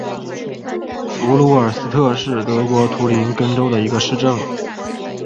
弗卢尔斯特是德国图林根州的一个市镇。